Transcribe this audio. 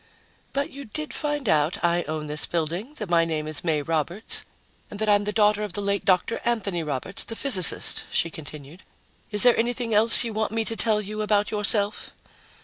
"But you did find out I own this building, that my name is May Roberts, and that I'm the daughter of the late Dr. Anthony Roberts, the physicist," she continued. "Is there anything else you want me to tell you about yourself?"